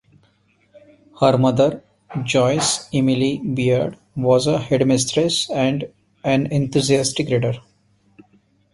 Her mother, Joyce Emily Beard, was a headmistress and an enthusiastic reader.